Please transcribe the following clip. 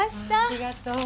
ありがとう。